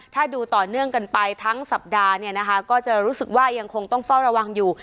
ถ้าดูต่อเนื่องกันไปทั้งสัปดาห์เนี่ยนะคะก็จะรู้สึกว่ายังคงต้องเฝ้าระวังอยู่